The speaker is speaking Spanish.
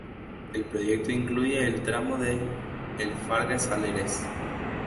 El proyecto incluye el tramo de El Fargue Saleres